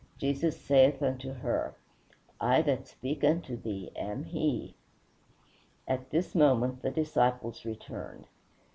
Jesus saith unto her, "I that speak unto thee am he." At this moment the disciples returned.